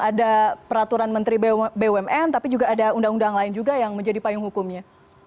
ada peraturan menteri bumn tapi juga ada undang undang lain juga yang menjadi payung hukumnya